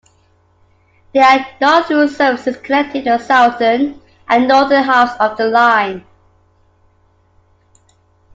There are no through services connecting the southern and northern halves of the line.